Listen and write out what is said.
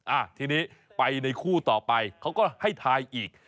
อ่ะทีนี้ไปในคู่ต่อไปเขาก็ให้ทายอีก